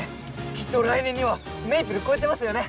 きっと来年にはめいぷる超えてますよね！